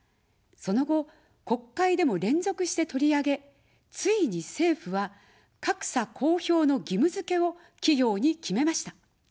その後、国会でも連続して取り上げ、ついに政府は格差公表の義務づけを企業に決めました。